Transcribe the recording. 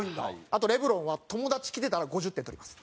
あとレブロンは友達来てたら５０点取ります。